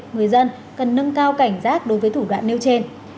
người dân cần nâng cao cảnh giác đối với thủ đoạn nêu trên